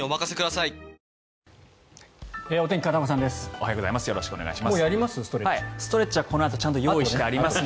おはようございます。